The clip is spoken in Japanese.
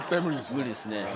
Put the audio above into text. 無理ですね。